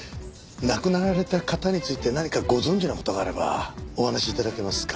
亡くなられた方について何かご存じの事があればお話し頂けますか？